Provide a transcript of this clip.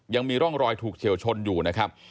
ยังมีร่องรอยถูกเฉียวชนอยู่นะครับ